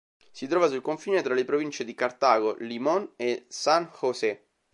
Si trova sul confine tra le province di Cartago, Limón e San José